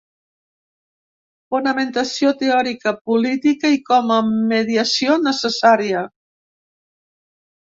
Fonamentació teòrica, política i com a mediació necessària.